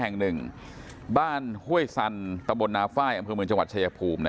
แห่งหนึ่งบ้านห้วยสันตะบลนาฝ้ายอำเภอเมืองจังหวัดชายภูมิ